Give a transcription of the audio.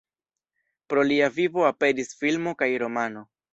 Pri lia vivo aperis filmo kaj romano.